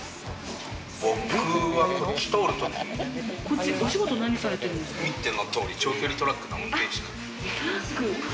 僕はこっち通る時に見ての通り長距離トラックの運転手。